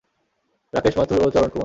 রাকেশ মাথুর ও চরণ কুমার।